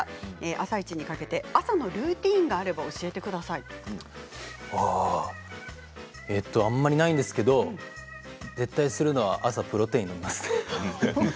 「あさイチ」にかけて朝のルーティンがあればあまりないんですけれども、絶対するのは朝プロテインを飲みます。